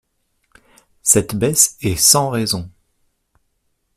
Cette baisse est sans raison!